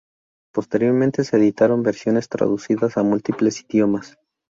Posteriormente se editaron versiones traducidas a múltiples idiomas.